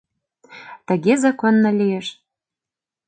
Тыге законно лиеш.